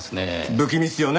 不気味っすよね。